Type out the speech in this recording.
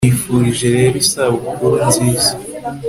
nkwifurije rero isabukuru nziza